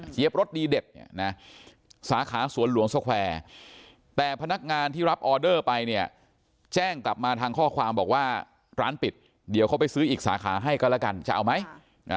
รถดีเด็ดเนี่ยนะสาขาสวนหลวงสแควร์แต่พนักงานที่รับออเดอร์ไปเนี่ยแจ้งกลับมาทางข้อความบอกว่าร้านปิดเดี๋ยวเขาไปซื้ออีกสาขาให้ก็แล้วกันจะเอาไหม